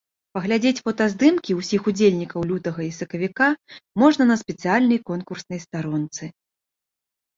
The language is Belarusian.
Паглядзець фотаздымкі ўсіх удзельнікаў лютага і сакавіка можна на спецыяльнай конкурснай старонцы.